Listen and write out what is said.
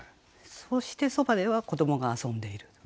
そしてそばでは子どもが遊んでいる。